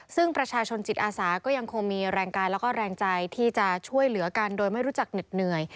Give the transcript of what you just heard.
ซึ่งประชาชนจิตอาสาก็ยังคงมีแรงกายแล้วก็แรงใจที่จะช่วยเหลือกันโดยไม่รู้จักเหน็ดเหนื่อย